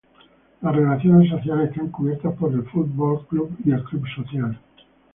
Las relaciones sociales están cubiertas por el Foot Ball Club y el Club Social.